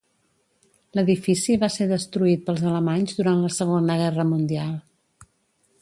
L'edifici va ser destruït pels alemanys durant la Segona Guerra Mundial.